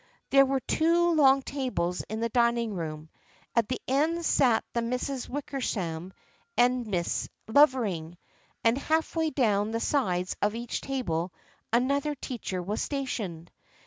There were two long tables in the dining room. At the ends sat the Misses Wickersham and Miss Lovering, and half way down the side of each table another teacher was stationed.